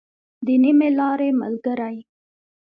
د نيمې لارې ملګری.